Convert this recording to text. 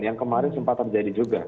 yang kemarin sempat terjadi juga